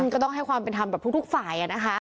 ก็ต้องให้ความเป็นธรรมกับทุกฝ่ายนะคะ